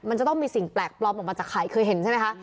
มันจะต้องมีสิ่งแปลกปลอมออกมาจากไข่เคยเห็นใช่ไหมคะ